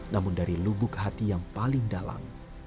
namun dari lubuk hati yang paling dalam